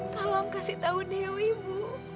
tolong kasih tahu dewi ibu